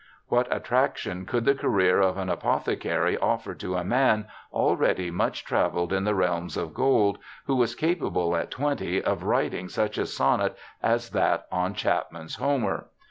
What attraction could the career of an apothecary offer to a man already much ' travelled in the realms of gold', who was capable at twenty of writing such a sonnet as that on Chapman's Homer